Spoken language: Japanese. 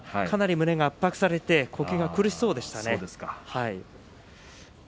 かなり胸を圧迫されて呼吸が苦しそうですね。